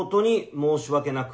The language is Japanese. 申し訳ない。